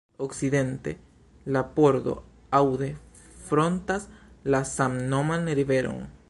Okcidente, la pordo Aude frontas la samnoman riveron.